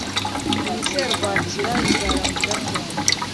Iyi serwakira izarangira ryari